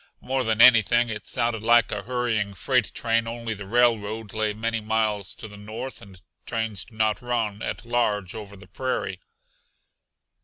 More than anything it sounded like a hurrying freight train only the railroad lay many miles to the north, and trains do not run at large over the prairie.